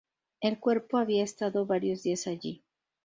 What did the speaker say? El cuerpo había estado varios días allí.